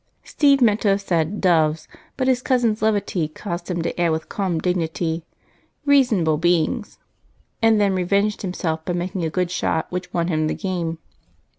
Steve meant to have said "doves," but his cousin's levity caused him to add with calm dignity, "reasonable beings," and then revenged himself by making a good shot which won him the game.